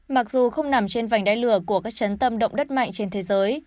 mặc dù không nằm trên vành đáy lửa của các chấn tâm động đất mạnh trên thế giới